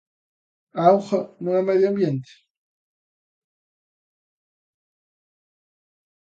¿A auga non é medio ambiente?